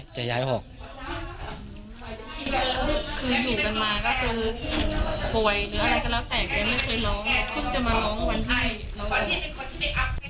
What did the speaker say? คืออยู่กันมาก็คือป่วยหรืออะไรก็แล้วแต่แกไม่เคยร้อง